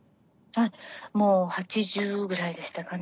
あっもう８０ぐらいでしたかね。